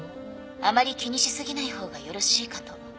あまり気にしすぎない方がよろしいかと。